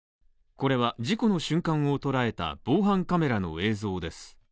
これは事故の瞬間を捉えた防犯カメラの映像です。